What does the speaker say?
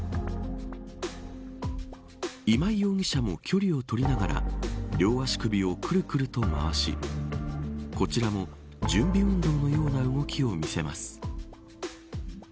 今井容疑者も、距離を取りながら両足首をくるくると回しこちらも準備運動のような動きを見せます。